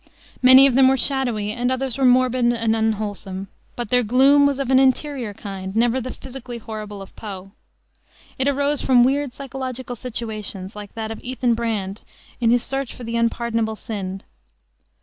Many of them were shadowy and others were morbid and unwholesome. But their gloom was of an interior kind, never the physically horrible of Poe. It arose from weird psychological situations like that of Ethan Brand in his search for the unpardonable sin.